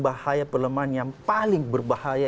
bahaya pelemahan yang paling berbahaya